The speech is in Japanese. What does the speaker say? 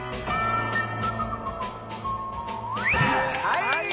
はい！